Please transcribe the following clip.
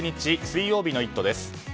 水曜日の「イット！」です。